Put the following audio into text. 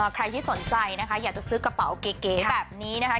ใครที่สนใจนะคะอยากจะซื้อกระเป๋าเก๋แบบนี้นะคะ